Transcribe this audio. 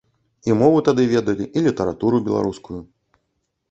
І мову тады ведалі, і літаратуру беларускую.